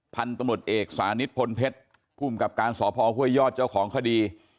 พันธุ์ตำรวจเอกสานิทพลเพชรภูมิกับการสพห้วยยอดเจ้าของคดี